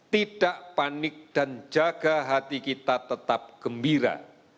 tidak panik dan jaga hati kita tetap gembira